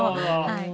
はい。